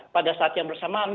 pada saat yang bersamaan